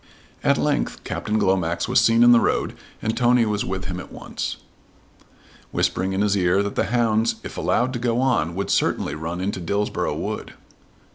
At length Captain Glomax was seen in the road and Tony was with him at once, whispering in his ear that the hounds if allowed to go on would certainly run into Dillsborough Wood.